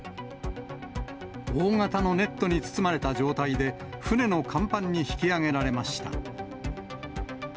大型のネットに包まれた状態で、船の甲板に引き揚げられました。